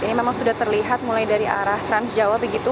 ini memang sudah terlihat mulai dari arah transjawa begitu